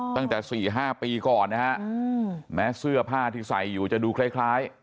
ตั้งแต่๔๕ปีก่อนนะฮะแม้เสื้อผ้าที่ใส่อยู่จะดูคล้าย